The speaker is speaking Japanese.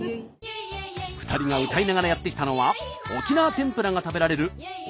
２人が歌いながらやって来たのは沖縄天ぷらが食べられる奥武島。